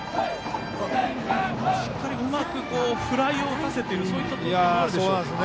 しっかりうまくフライを打たせているそういった投球になるでしょうか。